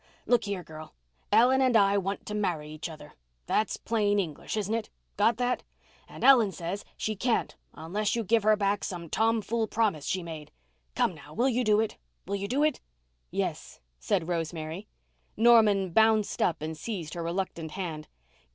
Look here, girl, Ellen and I want to marry each other. That's plain English, isn't it? Got that? And Ellen says she can't unless you give her back some tom fool promise she made. Come now, will you do it? Will you do it?" "Yes," said Rosemary. Norman bounced up and seized her reluctant hand.